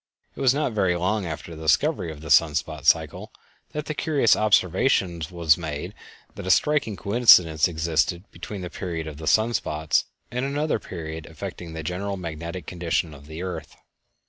It was not very long after the discovery of the sun spot cycle that the curious observation was made that a striking coincidence existed between the period of the sun spots and another period affecting the general magnetic condition of the earth.